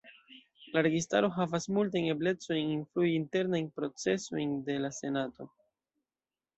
La registaro havas multajn eblecojn influi internajn procesojn de la senato.